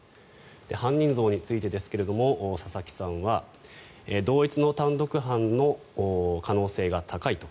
犯人像についてですが佐々木さんは同一の単独犯の可能性が高いと。